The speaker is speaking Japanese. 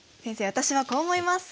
私はこう思います。